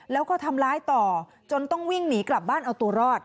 แล้วก็ทำร้ายต่อจนต้องวิ่งหนีกลับบ้านเอาตัวรอด